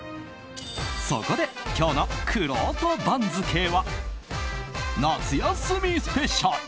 そこで、今日のくろうと番付は夏休みスペシャル。